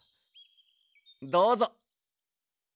どうぞ。